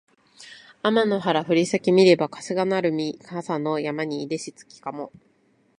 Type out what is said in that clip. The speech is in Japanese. あまの原ふりさけ見ればかすがなるみ笠の山にいでし月かも